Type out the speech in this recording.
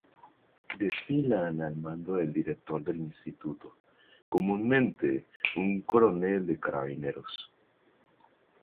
Desfilan al mando del director del instituto, comúnmente un coronel de Carabineros.